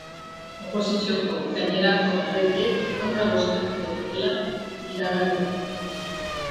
Oposizioko gainerako alderdiek kontra bozkatuko dutela iragarri dute.